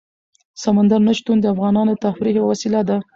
سمندر نه شتون د افغانانو د تفریح یوه وسیله ده.